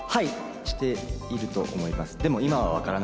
知っていると思います。